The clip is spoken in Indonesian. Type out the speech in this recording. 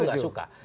itu gak suka